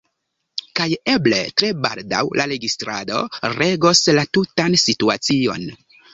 Kaj eble tre baldaŭ la registrado regos la tutan situacion